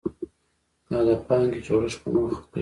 دا د پانګې جوړښت په موخه کوي.